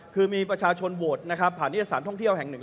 คือมีประชาชนโบสถ์ผ่านเนื้อสารท่องเที่ยวแห่งหนึ่ง